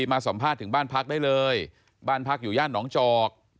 มาสัมภาษณ์ถึงบ้านพักได้เลยบ้านพักอยู่ย่านหนองจอก